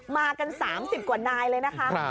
มากัน๓๐กว่านายเลยนะคะ